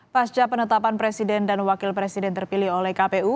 pasca penetapan presiden dan wakil presiden terpilih oleh kpu